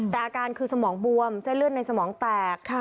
แต่อาการคือสมองบวมเส้นเลือดในสมองแตก